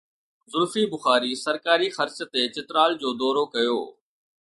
زلفي بخاري سرڪاري خرچ تي چترال جو دورو ڪيو